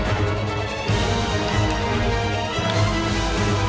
di depan ada apa di depan